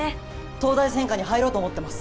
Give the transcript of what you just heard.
東大専科に入ろうと思ってます